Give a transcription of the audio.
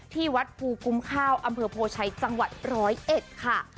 ที่วัดภูกุมข้าวอำเภอโพชัยจังหวัดร้อยเอ็ดค่ะ